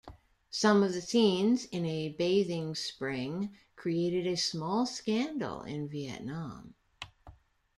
Some of the scenes in a bathing spring created a small scandal in Vietnam.